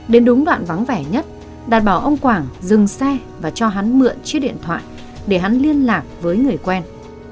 đến đúng đoạn vắng vẻ nhất đạt bảo ông quảng dừng xe và cho hắn mượn chiếc điện thoại để hắn liên lạc với người quen